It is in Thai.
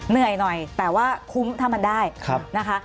เหนื่อยหน่อยแต่ว่าคุ้มถ้ามันได้นะคะ